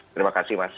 terima kasih mas